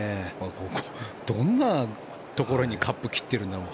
どんなところにカップ切っているんだろう。